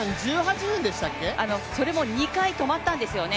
それも２回止まったんですよね。